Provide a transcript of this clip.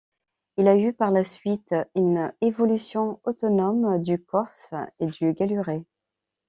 Il a eu par la suite une évolution autonome du corse et du gallurais.